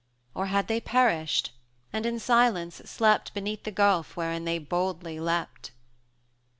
Or had they perished, and in silence slept Beneath the gulf wherein they boldly leapt?